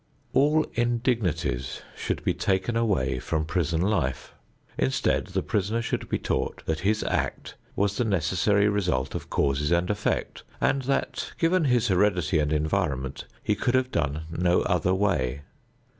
All indignities should be taken away from prison life. Instead the prisoner should be taught that his act was the necessary result of cause and effect and that, given his heredity and environment, he could have done no other way.